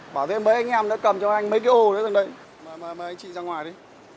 bảo thế mấy anh em đã cầm cho anh mấy cái ô đấy mời anh chị ra ngoài đi